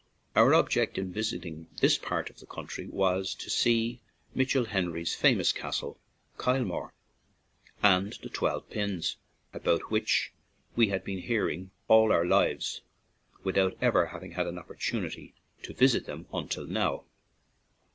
Our object in visiting this part of the country was to see Mitchell Henry's famous castle, Kyle more, and the Twelve Pins, about which we had been hearing all our lives without ever having had an opportunity to visit them until now.